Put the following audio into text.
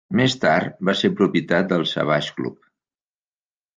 Més tard va ser propietat del Savage Club.